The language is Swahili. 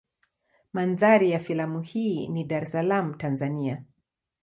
Mandhari ya filamu hii ni Dar es Salaam Tanzania.